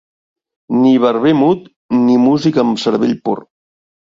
Ni barber mut ni músic amb cervell pur.